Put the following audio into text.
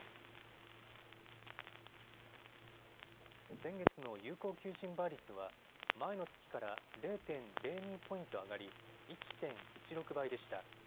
先月の有効求人倍率は前の月から０．０２ポイント上がり１．１６倍でした。